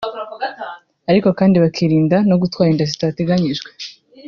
ariko kandi bakirinda no gutwara inda zitateganyijwe